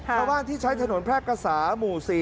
ชาวบ้านที่ใช้ถนนแพร่กษาหมู่๔